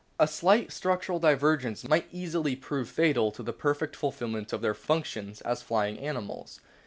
A slight structural divergence might easily prove fatal to the perfect fulfilment of their functions as flying animals.